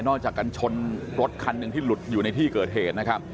อกจากกันชนรถคันหนึ่งที่หลุดอยู่ในที่เกิดเหตุนะครับ